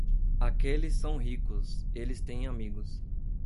Aqueles são ricos, eles têm amigos.